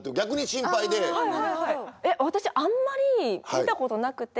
えっ私あんまり見たことなくて。